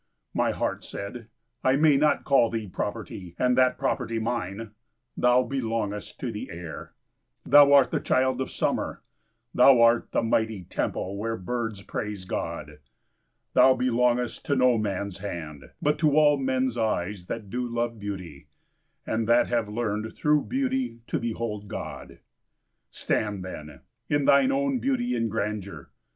My heart said, "I may not call thee property, and that property mine! Thou belongest to the air. Thou art the child of summer. Thou art the mighty temple where birds praise God. Thou belongest to no man's hand, but to all men's eyes that do love beauty, and that have learned through beauty to behold God! Stand, then, in thine own beauty and grandeur!